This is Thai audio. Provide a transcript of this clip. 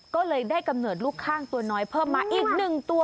ก็เลยได้เกิดลูกข้างตัวน้อยเพิ่มมาอีกหนึ่งตัว